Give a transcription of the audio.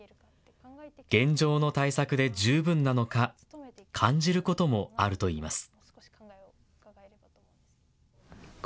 現状の対策で十分なのか感じることもあるといいます。